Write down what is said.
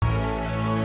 jadi sehat kan mother